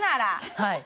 はい。